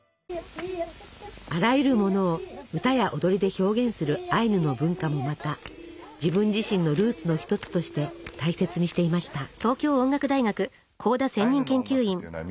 あらゆるものを歌や踊りで表現するアイヌの文化もまた自分自身のルーツの一つとして大切にしていました。